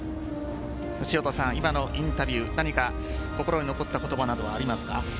今のインタビュー何か心に残った言葉などはありますか？